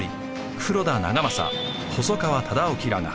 黒田長政細川忠興らが。